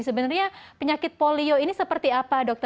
sebenarnya penyakit polio ini sebenarnya terjadi di indonesia